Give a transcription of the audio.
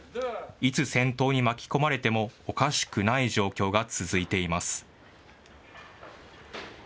いつ戦闘に巻き込まれてもおかしくない状況が続いています。